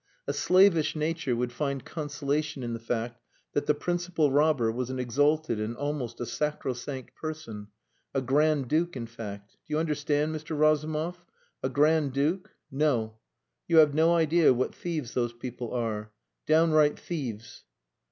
"A slavish nature would find consolation in the fact that the principal robber was an exalted and almost a sacrosanct person a Grand Duke, in fact. Do you understand, Mr. Razumov? A Grand Duke No! You have no idea what thieves those people are! Downright thieves!"